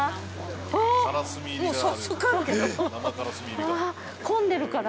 ◆あっ、もう早速あるけど。